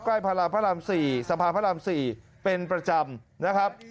ใกล้พระรามสี่สะพานพระรามสี่เป็นประจำนะครับ